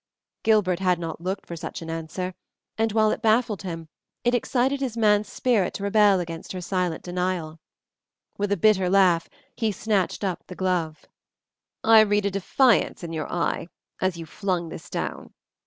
Gilbert had not looked for such an answer, and while it baffled him it excited his man's spirit to rebel against her silent denial. With a bitter laugh he snatched up the glove. "I read a defiance in your eye as you flung this down.